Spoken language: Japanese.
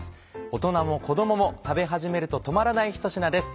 大人も子供も食べ始めると止まらないひと品です。